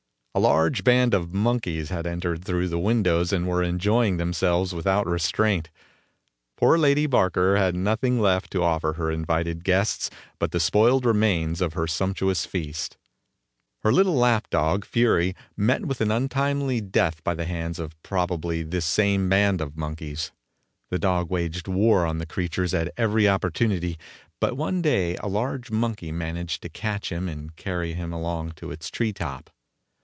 A large band of monkeys had entered through the windows and were enjoying themselves without restraint. Poor Lady Barker had nothing left to offer her invited guests but the spoiled remains of her sumptuous feast. Her little lap dog "Fury" met with an untimely death by the hands of probably this same band of monkeys. The dog waged war on the creatures at every opportunity, but one day a large monkey managed to catch him and carry him along to its tree top.